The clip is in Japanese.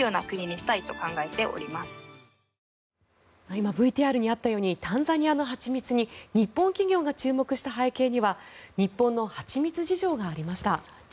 今ＶＴＲにあったようにタンザニアの蜂蜜に日本企業が注目した背景には日本の蜂蜜事情がありました。